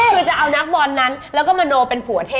คือจะเอานักบอลนั้นแล้วก็มโนเป็นผัวเท่